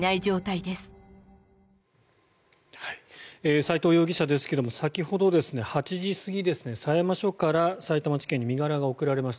斎藤容疑者ですが先ほど８時過ぎに狭山署から、さいたま地検に身柄が送られました。